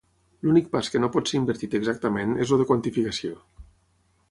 L'únic pas que no pot ser invertit exactament és el de quantificació.